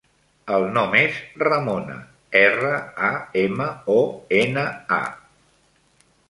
El nom és Ramona: erra, a, ema, o, ena, a.